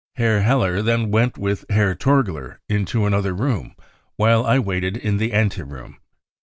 9 " Herr Heller then went with Herr Torgier into another room, while I waited in the ante room.